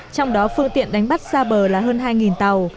trong đó phương tiện đánh bắt xa bờ là hơn hai tàu